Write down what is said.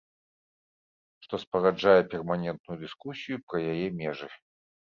Што спараджае перманентную дыскусію пра яе межы.